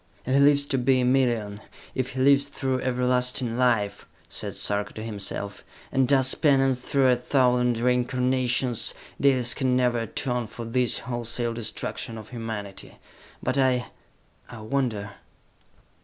"If he lives to be a million, if he lives through everlasting life," said Sarka to himself, "and does penance through a thousand reincarnations, Dalis can never atone for this wholesale destruction of humanity! But I ... I wonder!"